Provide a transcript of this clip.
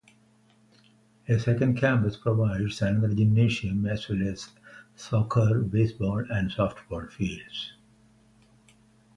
A second campus provides another gymnasium as well as soccer, baseball, and softball fields.